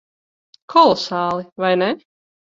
Kolosāli. Vai ne?